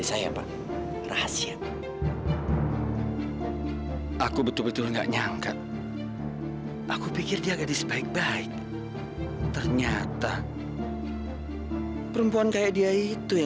sampai jumpa di video selanjutnya